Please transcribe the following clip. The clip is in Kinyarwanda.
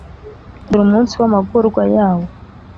dore umunsi w’amagorwa yawo